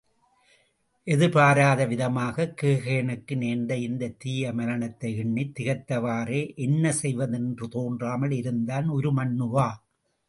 எதிர்பாராத விதமாகக் கேகயனுக்கு நேர்ந்த இந்தத் தீய மரணத்தை எண்ணித் திகைத்தவாறே என்ன செய்வதெனத் தோன்றாமல் இருந்தான் உருமண்ணுவா.